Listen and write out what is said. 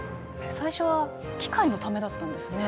最初は機械のためだったんですね。